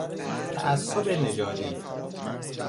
تعصب نژادی